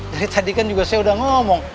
dari tadi kan juga saya udah ngomong